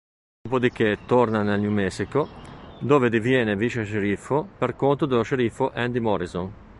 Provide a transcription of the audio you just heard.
Dopodiché torna nel New Mexico, dove diviene vice-sceriffo per conto dello sceriffo Andy Morrison.